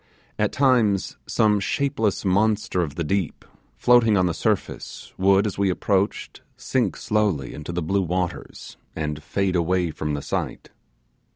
At times, some shapeless monster of the deep, floating on the surface, would, as we approached, sink slowly into the blue waters, and fade away from the sight.